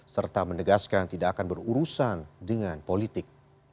serta menegaskan tidak akan berurusan dengan politik